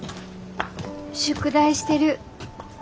宿題してる。